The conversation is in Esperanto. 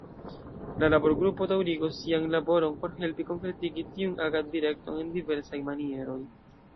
La laborgrupo daŭrigos sian laboron por helpi konkretigi tiun agaddirekton en diversaj manieroj.